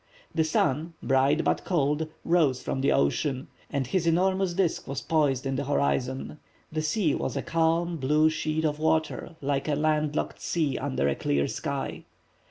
The sun, bright but cold, rose from the ocean, and his enormous disc was poised in the horizon. The sea was a calm, blue sheet of water, like a land locked sea under a clear sky.